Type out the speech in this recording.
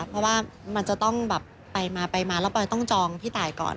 เพราะว่ามันจะต้องแบบไปมาแล้วปอยต้องจองพี่ตายก่อน